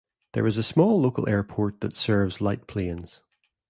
There is a small local airport that serves light planes.